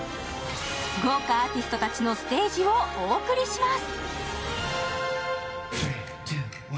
豪華アーティストたちのステージをお送りします。